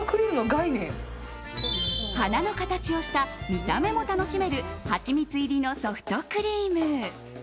花の形をした見た目も楽しめるハチミツ入りのソフトクリーム。